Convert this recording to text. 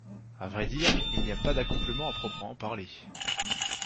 À vrai dire, il n'y a pas d'accouplement à proprement parler.